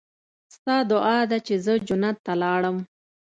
ستا دعا ده چې زه جنت ته لاړم.